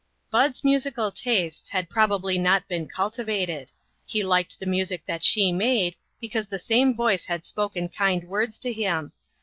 Bud's musical tastes had probably not been cultivated. He liked the music that she made, because the same voice had spoken kind words to him.